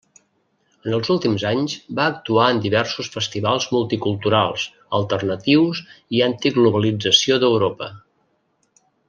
En els últims anys va actuar en diversos festivals multiculturals, alternatius i antiglobalització d'Europa.